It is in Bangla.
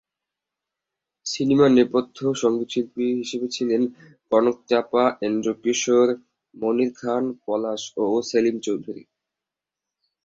সিনেমায় নেপথ্য সঙ্গীতশিল্পী হিসেবে ছিলেন কনক চাঁপা, এন্ড্রু কিশোর, মনির খান, পলাশ ও সেলিম চৌধুরী।